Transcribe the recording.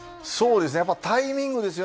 タイミングです。